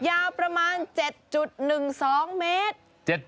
ยาวประมาณ๗๑๒เมตร